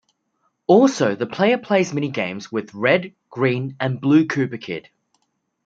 Also the player plays minigames with Red, Green, and Blue Koopa Kid.